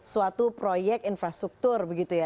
suatu proyek infrastruktur begitu ya